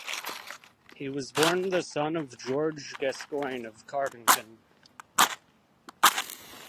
He was born the son of George Gascoigne of Cardington.